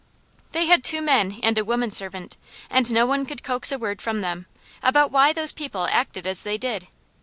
They had two men and a woman servant, and no one could coax a word from them, about why those people acted as they did.